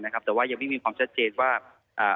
แต่ว่ายังไม่มีความชัดเจนว่า